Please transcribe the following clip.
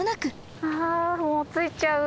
あもう着いちゃう。